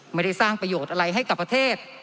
ไม่ได้สร้างประโยชน์อะไรให้กับประเทศ